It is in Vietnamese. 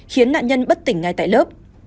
khiến nạn nhân bất tỉnh ngay tại lớp